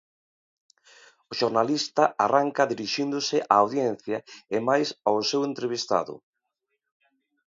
O xornalista arranca dirixíndose a audiencia e mais ao seu entrevistado.